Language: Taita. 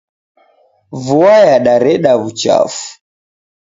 Vua yadareda wuchafu.